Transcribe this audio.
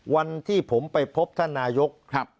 วันที่ผมไปพบท่านนายก